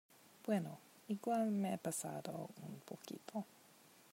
bueno, igual me he pasado un poquito.